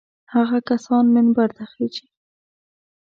هغه کسان منبر ته خېژي.